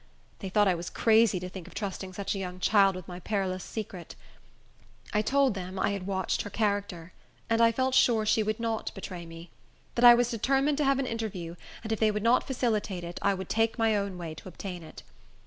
They thought I was crazy to think of trusting such a young child with my perilous secret. I told them I had watched her character, and I felt sure she would not betray me; that I was determined to have an interview, and if they would not facilitate it, I would take my own way to obtain it.